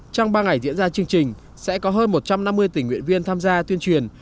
trong ba ngày diễn ra chương trình sẽ có hơn một trăm năm mươi tỉnh nguyện viên tham gia tuyên truyền